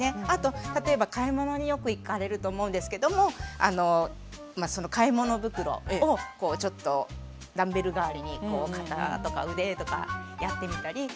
あと例えば買い物によく行かれると思うんですけども買い物袋をちょっとダンベル代わりに肩とか腕とかやってみたり。